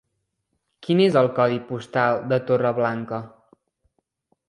Quin és el codi postal de Torreblanca?